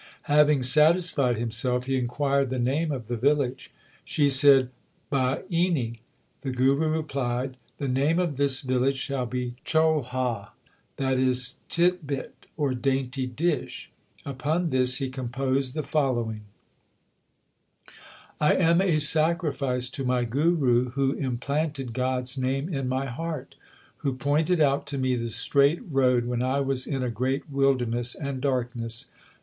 Hav ing satisfied himself he inquired the name of the village. She said, * Bhaini/ The Guru replied, The name of this village shall be Cholha, that is, tit bit, or dainty dish/ Upon this he composed the fol lowing : I am a sacrifice to my Guru who implanted God s name in my heart ; Who pointed out to me the straight road when I was in a great wilderness and darkness.